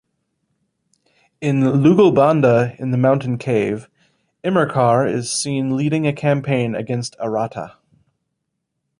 In "Lugalbanda in the Mountain Cave", Enmerkar is seen leading a campaign against Aratta.